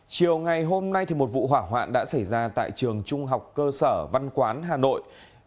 chiều ngày hôm nay một vụ hỏa hoạn đã xảy ra tại trường trung học cơ sở văn quán hà nội